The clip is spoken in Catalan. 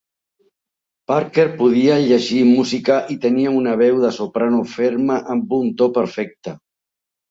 Parker podia llegir música i tenia una veu de soprano ferma amb un to perfecte.